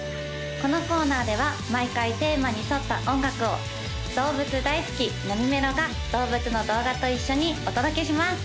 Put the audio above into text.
このコーナーでは毎回テーマに沿った音楽を動物大好きなみめろが動物の動画と一緒にお届けします